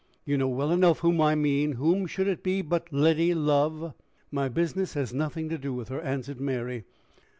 "You know well enough whom I mean. Whom should it be, but Letty Lovel!" "My business has nothing to do with her," answered Mary.